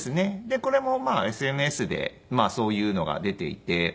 でこれもまあＳＮＳでそういうのが出ていて。